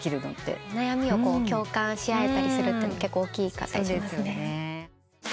悩みを共感し合えたりするのは結構大きかったりします。